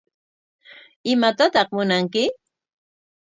¿Imatataq munanki?